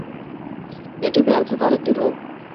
এটি ব্যর্থতার একটি রূপ।